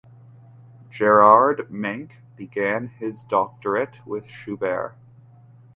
Gerhard Menk began his doctorate with Schubert.